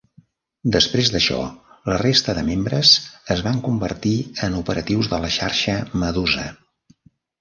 Després d'això, la resta de membres es van convertir en operatius de la Xarxa Medusa.